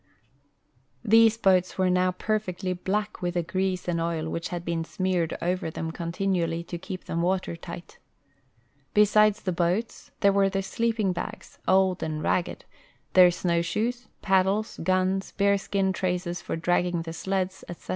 These boats Avere noAV perfectly black Avith the grease and oil which had been smeared over them continually to keep them Avater tight. Besides the boats, there Avere the sleeping bags, old and ragged, their snoAvshoes, paddles, guns, bear skin traces for dragging the sleds, etc.